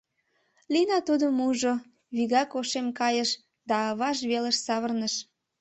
Лина тудым ужо; вигак ошем кайыш да аваж велыш савырныш.